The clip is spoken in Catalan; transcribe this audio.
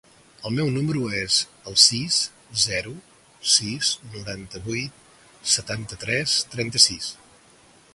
El meu número es el sis, zero, sis, noranta-vuit, setanta-tres, trenta-sis.